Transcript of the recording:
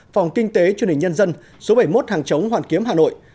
phòng kinh tế chương trình nhân dân số bảy mươi một hàng chống hoàn kiếm hà nội